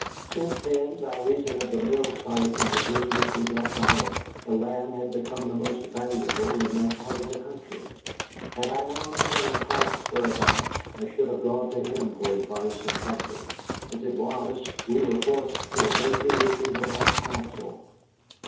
Since then, by reason of the mill site and the business we got by it, the land had become the most valuable in that part of the country. Had I known Colonel Clark's whereabouts, I should have gone to him for advice and comfort. As it was, we were forced to await the issue without counsel.